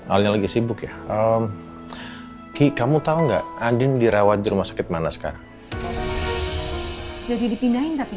aldin lagi sibuk ya ki kamu tahu nggak andin dirawat di rumah sakit mana sekarang jadi dipindahin tapi